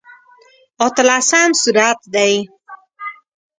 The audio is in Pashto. اتلسم سورت دی.